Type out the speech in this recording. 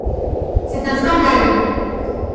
C’est un scandale